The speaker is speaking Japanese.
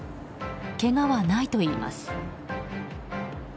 けがはないといいます。